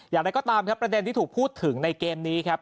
อย่างไรก็ตามครับประเด็นที่ถูกพูดถึงในเกมนี้ครับ